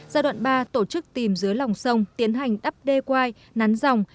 giai đoạn ba tổ chức tìm dưới lòng sông tiến hành đắp đê quai nắn dòng